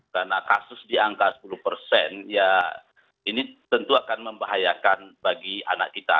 karena kasus di angka sepuluh ya ini tentu akan membahayakan bagi anak kita